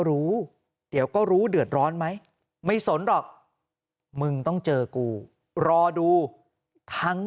รู้เดี๋ยวก็รู้เดือดร้อนไหมไม่สนหรอกมึงต้องเจอกูรอดูทั้ง